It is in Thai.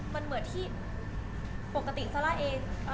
มันเหมือนที่ปกติซาร่าเอง